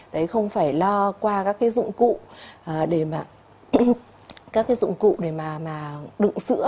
đấy không phải lo qua các cái dụng cụ để mà đựng sữa